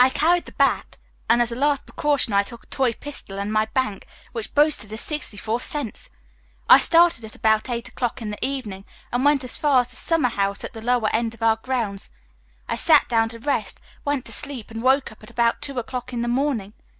I carried the bat, and as a last precaution I took a toy pistol and my bank, which boasted of sixty four cents. I started at about eight o'clock in the evening and went as far as the summer house at the lower end of our grounds. I sat down to rest, went to sleep and woke up about two o'clock in the morning.